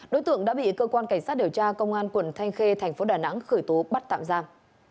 đối tượng đã bị cơ quan cảnh sát điều tra công an quận thanh khê thành phố đà nẵng khởi tố bắt tạm giam